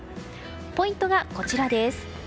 ポイントがこちらです。